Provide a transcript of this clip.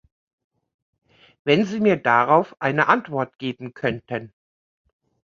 Wenn Sie mir darauf eine Antwort geben könnten.